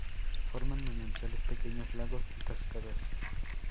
Forman manantiales, pequeños lagos y cascadas.